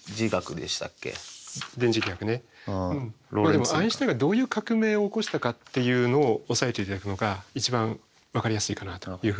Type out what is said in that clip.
でもアインシュタインがどういう革命を起こしたかっていうのを押さえて頂くのが一番わかりやすいかなというふうに思います。